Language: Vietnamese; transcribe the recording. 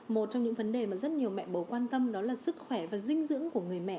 một trong những vấn đề mà rất nhiều mẹ bầu quan tâm đó là sức khỏe và dinh dưỡng của người mẹ